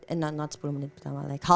eh bukan sepuluh menit pertama